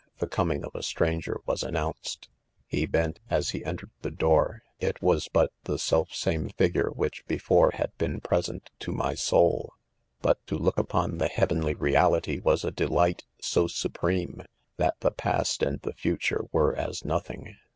the coming of a stranger was announced. He bent as he entered the door 5 it * was" but the self same figure which before had" been pres ent to my soul 5 but to look upon the heaven ly reality was a delight so supreme, that the past and the future were as nothing.